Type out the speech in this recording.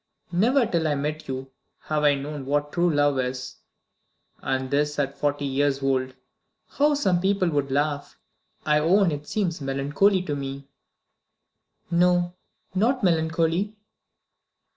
Never till I met you have I known what true love is and this at forty years old. How some people would laugh! I own it seems melancholy to me." "No; not melancholy."